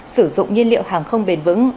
sử dụng nhiên liệu hàng không bền vững